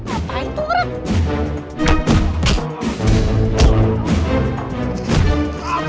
apa itu ren